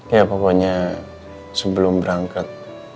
ya pokoknya sebelum berangkat